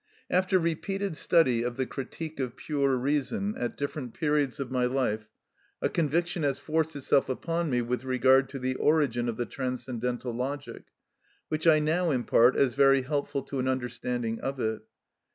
After repeated study of the "Critique of Pure Reason" at different periods of my life, a conviction has forced itself upon me with regard to the origin of the Transcendental Logic, which I now impart as very helpful to an understanding of it.